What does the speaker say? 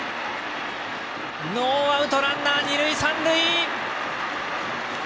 ノーアウトランナー、二塁三塁。